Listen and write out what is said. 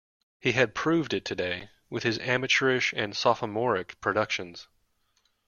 He had proved it today, with his amateurish and sophomoric productions.